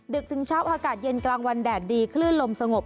ถึงเช้าอากาศเย็นกลางวันแดดดีคลื่นลมสงบ